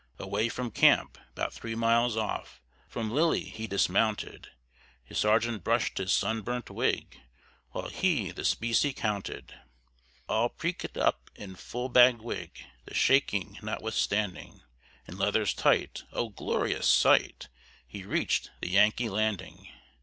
Away from camp, 'bout three miles off, From Lily he dismounted. His sergeant brush'd his sun burnt wig While he the specie counted. All prinkèd up in full bag wig; The shaking notwithstanding, In leathers tight, oh! glorious sight! He reach'd the Yankee landing.